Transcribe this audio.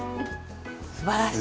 すばらしい！